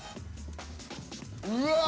うわ！